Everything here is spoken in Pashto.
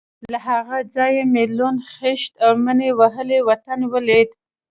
له هغه ځایه مې لوند، خېشت او مني وهلی وطن ولید.